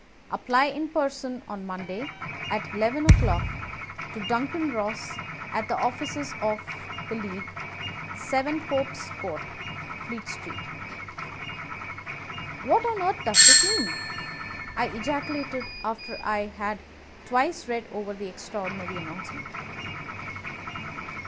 Apply in person on Monday, at eleven o'clock, to Duncan Ross, at the offices of the League, 7 Pope's Court, Fleet Street." "What on earth does this mean?" I ejaculated after I had twice read over the extraordinary announcement.